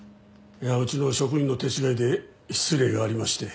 うちの職員の手違いで失礼がありまして。